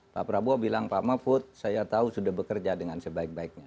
pak prabowo bilang pak mahfud saya tahu sudah bekerja dengan sebaik baiknya